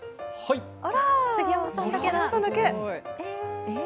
杉山さんだけ。